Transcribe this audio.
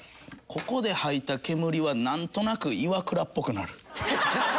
ここで吐いた煙はなんとなくイワクラっぽくなる。